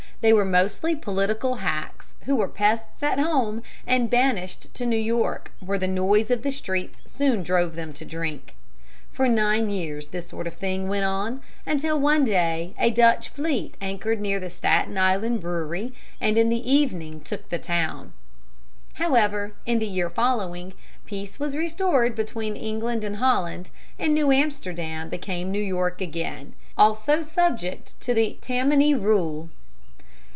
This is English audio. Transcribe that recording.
They were mostly political hacks who were pests at home and banished to New York, where the noise of the streets soon drove them to drink. For nine years this sort of thing went on, until one day a Dutch fleet anchored near the Staten Island brewery and in the evening took the town. However, in the year following, peace was restored between England and Holland, and New Amsterdam became New York again, also subject to the Tammany rule.